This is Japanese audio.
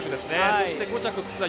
そして５着は楠田。